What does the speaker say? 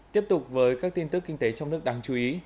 tiếp tục với các tin tức kinh tế trong nước đáng chú ý